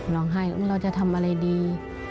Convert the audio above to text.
ร้องไห้ว่าเราจะทำอะไรดี